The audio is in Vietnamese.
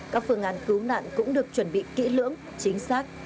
các phương án cứu nạn cũng được chuẩn bị kỹ lưỡng chính xác